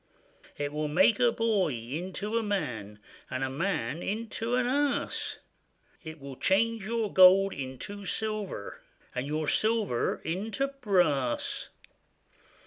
It will make a boy into a man, And a man into an ass; It will change your gold into silver, And your silver into brass.